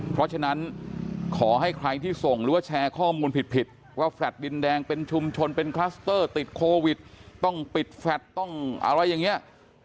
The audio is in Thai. เพราะฉะนั้นขอให้ใครที่ส่งหรือว่าแชร์ข้อมูลผิดว่าแฟลต์ดินแดงเป็นชุมชนเป็นคลัสเตอร์ติดโควิดต้องปิดแฟลตต้องอะไรอย่างนี้